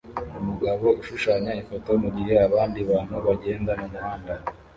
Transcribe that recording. Umugabo ushushanya ifoto mugihe abandi bantu bagenda mumuhanda